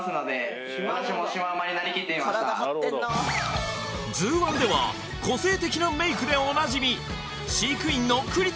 なるほど「ＺＯＯ−１」では個性的なメイクでおなじみ